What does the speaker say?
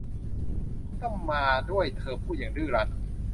คุณต้องมาด้วยเธอพูดอย่างดื้อรั้น